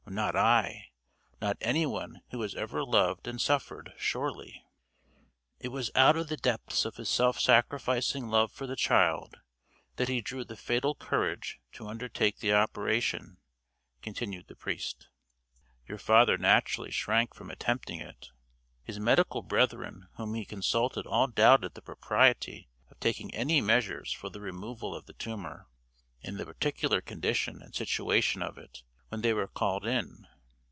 Not I! Not anyone who has ever loved and suffered, surely! "It was out of the depths of his self sacrificing love for the child that he drew the fatal courage to undertake the operation," continued the priest. "Your father naturally shrank from attempting it. His medical brethren whom he consulted all doubted the propriety of taking any measures for the removal of the tumor, in the particular condition and situation of it when they were called in.